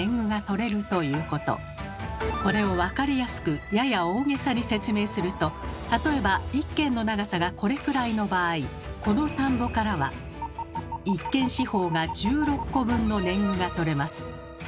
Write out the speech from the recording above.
これを分かりやすくやや大げさに説明すると例えば１間の長さがこれくらいの場合この田んぼからは１間四方が１６個分の年貢がとれます。